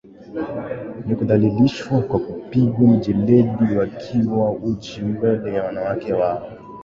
ni kudhalilishwa kwa kupigwa mijeledi wakiwa uchi mbele ya wanawake wao